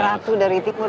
ratu dari timur